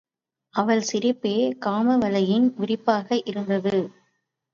அவள் சிரிப்பே காமவலையின் விரிப்பாக இருந்தது.